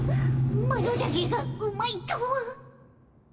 マロだけがうまいとは。